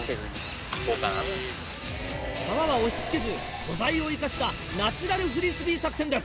皮は押しつけず素材を生かしたナチュラルフリスビー作戦です。